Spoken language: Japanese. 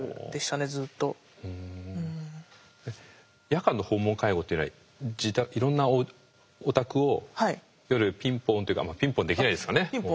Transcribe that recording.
夜間の訪問介護っていうのはいろんなお宅を夜ピンポンっていうかピンポンできないですかね。